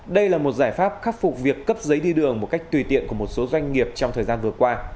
đây là một giải pháp khắc phục việc cấp giấy đi đường một cách tùy tiện của một số doanh nghiệp trong thời gian vừa qua